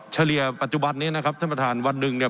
เฉลี่ยปัจจุบันนี้นะครับท่านประธานวันหนึ่งเนี่ย